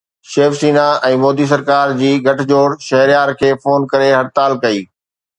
شيو سينا ۽ مودي سرڪار جي گٹھ جوڙ شهريار کي فون ڪري هڙتال ڪئي